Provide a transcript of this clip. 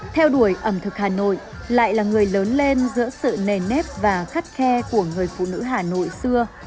theo đuổi ẩm thực hà nội lại là người lớn lên giữa sự nền nếp và khắt khe của người phụ nữ hà nội xưa